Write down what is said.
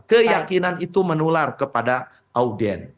keyakinan itu menular kepada audien